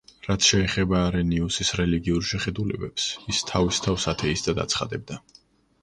რაც შეეხება არენიუსის რელიგიურ შეხედულებებს, ის თავის თავს ათეისტად აცხადებდა.